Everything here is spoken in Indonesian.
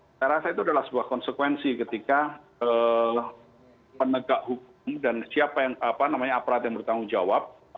saya rasa itu adalah sebuah konsekuensi ketika penegak hukum dan siapa yang aparat yang bertanggung jawab